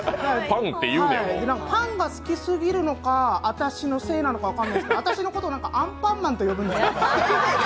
パンが好きすぎるのか、私のせいなのか分からないんですけど、私のこと、アンパンマンって呼ぶんです。